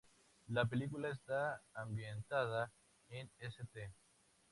La película está ambientada en St.